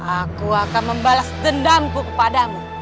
aku akan membalas dendamku kepadamu